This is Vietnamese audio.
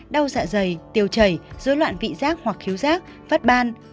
đau dạ dày tiêu chảy dối loạn vị giác hoặc khiếu giác vắt ban